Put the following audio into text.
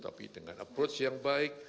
tapi dengan approach yang baik